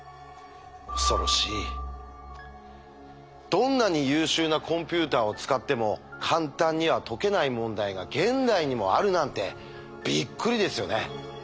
どんなに優秀なコンピューターを使っても簡単には解けない問題が現代にもあるなんてびっくりですよね。